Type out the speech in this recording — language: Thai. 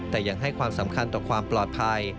แต่ยังให้ความสำคัญต่อความปลอดภัย